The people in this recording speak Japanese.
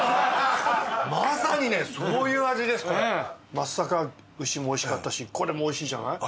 松阪牛もおいしかったしこれもおいしいじゃない。